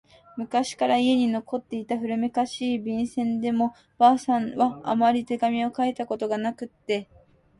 昔から家に残っていた古めかしい、便箋でしかも婆さんはあまり手紙を書いたことがなくって……